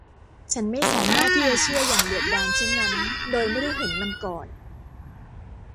ฉันไม่สามารถที่จะเชื่ออย่างเดือดดาลเช่นนั้นโดยไม่ได้เห็นมันก่อน